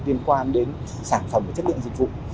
liên quan đến sản phẩm và chất lượng dịch vụ